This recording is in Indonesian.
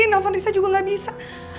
handphone risa juga gak bisa